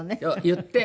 言って。